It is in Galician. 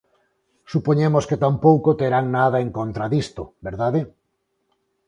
Supoñemos que tampouco terán nada en contra disto, ¿verdade?